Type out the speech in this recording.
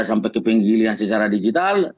dari penggilaan secara digital